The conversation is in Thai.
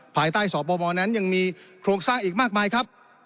ภายใต้สปมนั้นยังมีโครงสร้างอีกมากมายครับ